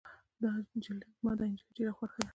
زما دا نجلی ډیره خوښه ده.